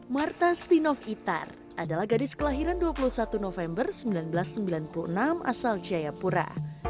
marta stinov itar adalah gadis kelahiran dua puluh satu november seribu sembilan ratus sembilan puluh enam asal jayapura